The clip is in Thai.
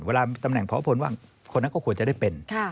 เวลาตำแหน่งพบว่านั้นก็ควรจะได้เป็น